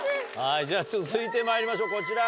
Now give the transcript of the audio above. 続いてまいりましょうこちら。